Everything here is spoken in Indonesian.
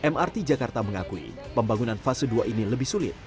mrt jakarta mengakui pembangunan fase dua ini lebih sulit